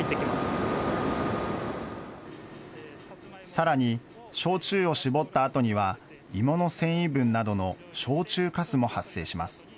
さらに、焼酎を絞ったあとには、芋の繊維分などの焼酎かすも発生します。